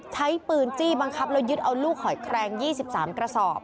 ใช้ปืนจี้บังคับแล้วยึดเอาลูกหอยแครง๒๓กระสอบ